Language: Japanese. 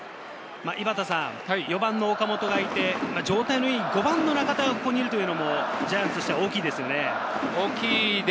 ４番の岡本がいて、状態のいい５番の中田がここにいるというのもジャイアンツとしては大きいですよね。